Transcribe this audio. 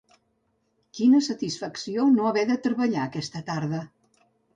Quina satisfacció no haver de treballar aquesta tarda!